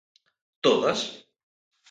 ¿Todas?